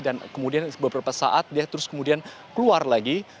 dan kemudian beberapa saat dia terus kemudian keluar lagi